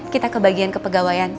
kita ke bagian kepegawaian